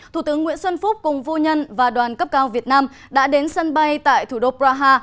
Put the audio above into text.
thủ tướng nguyễn xuân phúc cùng vô nhân và đoàn cấp cao việt nam đã đến sân bay tại thủ đô praha